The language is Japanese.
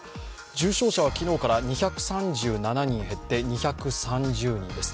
重症者は昨日から２３７人減って２３０人です。